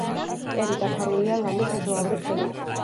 ფსკერი დაფარულია ლამის მძლავრი ფენით.